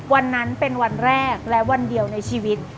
วันนั้นเป็นวันแรกและวันเดียวในชีวิต